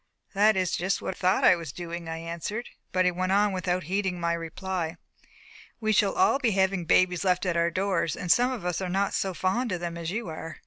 "That is just what I thought I was doing," I answered; but he went on without heeding my reply "We shall all be having babies left at our doors, and some of us are not so fond of them as you are.